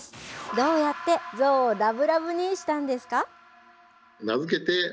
どうやって象をラブラブにしたんですか。